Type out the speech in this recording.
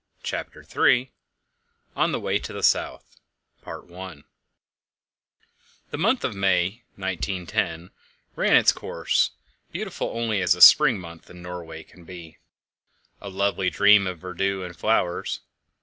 CHAPTER III On the Way to the South The month of May, 1910, ran its course, beautiful as only a spring month in Norway can be a lovely dream of verdure and flowers.